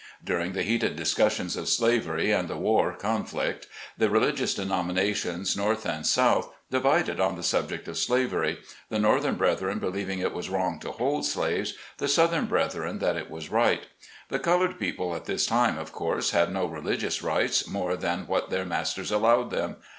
During the heated discussions of slavery and the war conflict, the religious denominations, North and South, divided on the subject of slavery, the north ern brethren believing it was wrong to hold slaves, the southern brethren that it was right. The col ored people at this time, of course, had no religious rights more than what their masters allowed them.